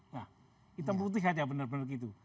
nah hitam putih saja benar benar gitu